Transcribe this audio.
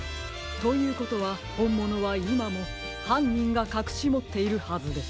ということはほんものはいまもはんにんがかくしもっているはずです。